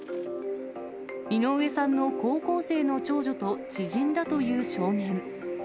井上さんの高校生の長女と知人だという少年。